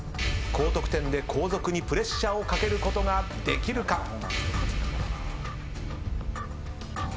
高得点で後続にプレッシャーをかけることができるか？